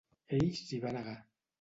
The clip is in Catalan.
Ell s'hi va negar.